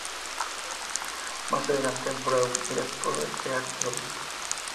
Más adelante Brae y la esposa de Teal'c, lo visitan.